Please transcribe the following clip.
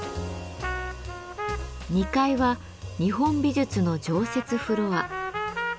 ２階は日本美術の常設フロア。